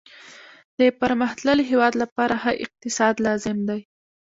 د پرمختللي هیواد لپاره ښه اقتصاد لازم دی